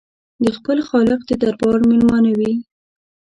د خپل خالق د دربار مېلمانه وي.